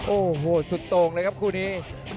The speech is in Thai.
โอ้โหสุดโต่งเลยครับคู่นี้